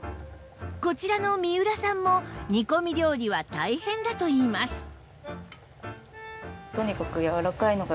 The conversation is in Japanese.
こちらの三浦さんも煮込み料理は大変だといいます